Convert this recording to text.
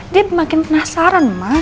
dia makin penasaran ma